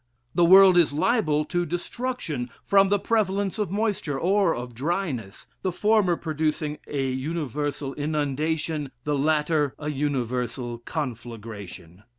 The world is liable to destruction from the prevalence of moisture, or of dryness; the former producing a universal inundation, the latter a universal conflagration.